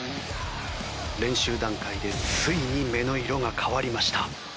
練習段階でついに目の色が変わりました。